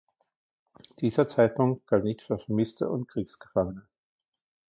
Dieser Zeitpunkt galt nicht für Vermisste und Kriegsgefangene.